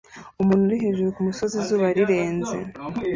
Umuntu ari hejuru kumusozi izuba rirenze